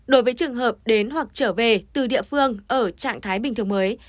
đối với trường hợp đến hoặc trở về từ địa phương ở trạng thái bình thường mới